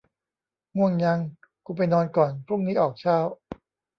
ง่วงยัง กูไปนอนก่อน พรุ่งนี้ออกเช้า